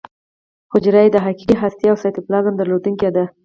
حجره یې د حقیقي هستې او سایټوپلازم درلودونکې ده.